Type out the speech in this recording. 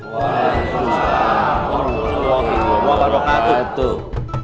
waalaikumsalam warahmatullahi wabarakatuh